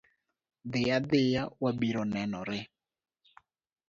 Dhi adhiya wabiro nenore.